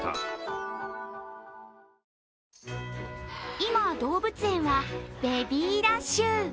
今、動物園はベビーラッシュ。